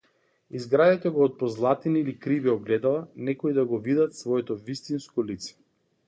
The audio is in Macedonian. Изградете го од позлатени или криви огледала, некои да го видат своето вистинско лице.